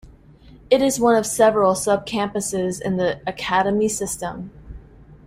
It is one of several sub-campuses in the Academy system.